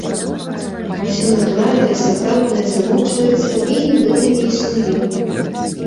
А ўсё натуральнае, сапраўднае замоўчваецца і нібыта не існуе.